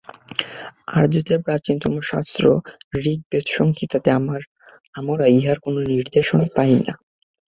আর্যদের প্রাচীনতম শাস্ত্রগ্রন্থ ঋগ্বেদ-সংহিতাতে আমরা ইহার কোন নিদর্শন পাই না।